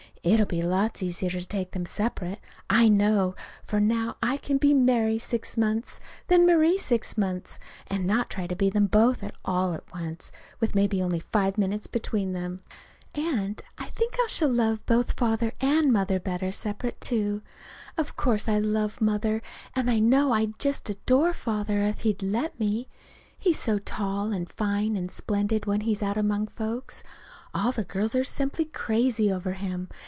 It'll be lots easier to take them separate, I know. For now I can be Mary six months, then Marie six months, and not try to be them both all at once, with maybe only five minutes between them. And I think I shall love both Father and Mother better separate, too. Of course I love Mother, and I know I'd just adore Father if he'd let me he's so tall and fine and splendid, when he's out among folks. All the girls are simply crazy over him.